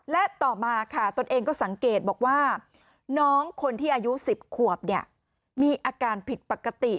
และต่อมาค่ะตนเองก็สังเกตบอกว่าน้องคนที่อายุ๑๐ขวบเนี่ยมีอาการผิดปกติ